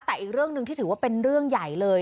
แต่อีกเรื่องหนึ่งที่ถือว่าเป็นเรื่องใหญ่เลย